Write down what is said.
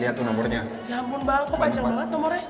ya ampun banget kok panjang banget nomornya